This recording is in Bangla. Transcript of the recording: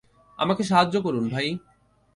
আমাকে সাহায্য করুন, ভাই।